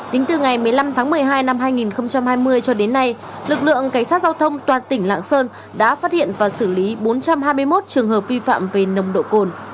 tính từ ngày một mươi năm tháng một mươi hai năm hai nghìn hai mươi cho đến nay lực lượng cảnh sát giao thông toàn tỉnh lạng sơn đã phát hiện và xử lý bốn trăm hai mươi một trường hợp vi phạm về nồng độ cồn